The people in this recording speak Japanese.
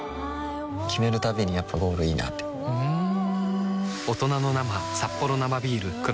決めるたびにやっぱゴールいいなってふんさて！